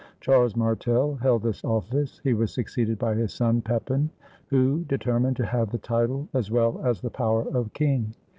Charles Martel held this ofifice. He was succeeded by his son Pepin, who determined to have the title as well as the power of king.